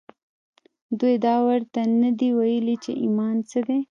دوی دا ورته نه دي ويلي چې ايمان څه دی.